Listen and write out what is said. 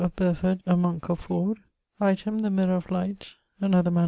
of Birford, a monk of Ford. Item, The Mirror of Light, another MS.